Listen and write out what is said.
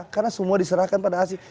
karena semua diserahkan pada asing